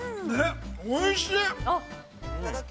◆おいしい！